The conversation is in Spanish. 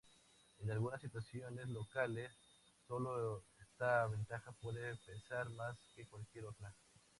En algunas situaciones locales, sólo esta ventaja puede pesar más que cualquier otra.